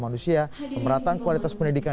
manusia pemerintahan kualitas pendidikan